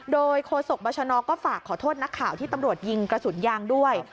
โดยโฆษกบัชนก็ฝากขอโทษนักข่าวที่ตำรวจยิงกระสุนยางด้วย